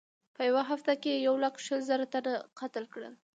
په یوه هفته کې یې یو لک شل زره تنه قتل کړل.